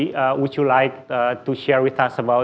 apakah anda ingin berbagi dengan kami